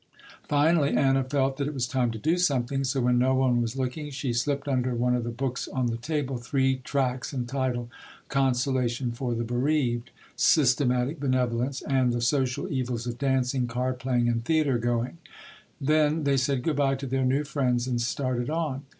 Finally Anna felt that it was time to do something, so when no one was looking, she slipped under one of the books on the table, three tracts entitled "Consolation for the Bereaved," "Systematic Benevolence" and "The Social Evils of dancing, card playing and theater going." Then they said goodbye to their new friends and started on.